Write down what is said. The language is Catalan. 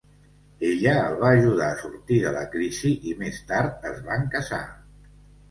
Ella el va ajudar a sortir de la crisi, i més tard es van casar.